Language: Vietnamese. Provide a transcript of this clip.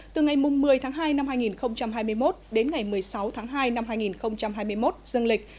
từ ngày một mươi tháng hai năm hai nghìn hai mươi một đến ngày một mươi sáu tháng hai năm hai nghìn hai mươi một dân lịch